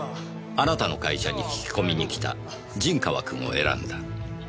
あなたの会社に聞き込みに来た陣川君を選んだ。